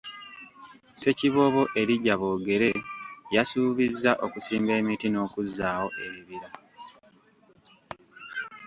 Ssekiboobo Elijah Boogere yasuubizza okusimba emiti n’okuzzaawo ebibira.